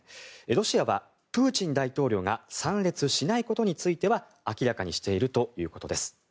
ロシアはプーチン大統領が参列しないことについては明らかにしているということです。